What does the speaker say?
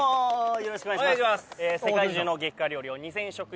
よろしくお願いします